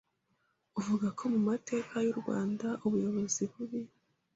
avuga ko mu mateka y’u Rwanda ubuyobozi bubi